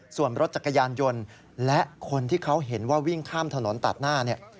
ส่วนรถจักรยานยนต์และคนที่เขาเห็นว่าวิ่งข้ามถนนตัดหน้าเนี่ย